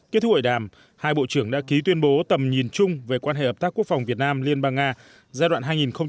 kết thúc hội đàm hai bộ trưởng đã ký tuyên bố tầm nhìn chung về quan hệ hợp tác quốc phòng việt nam liên bang nga giai đoạn hai nghìn hai mươi hai nghìn hai mươi năm